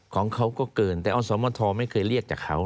ของเขาก็เกินแต่อสมทไม่เคยเรียกจากเขา